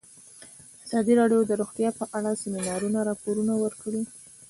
ازادي راډیو د روغتیا په اړه د سیمینارونو راپورونه ورکړي.